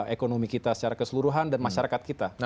ekonomi kita secara keseluruhan dan masyarakat kita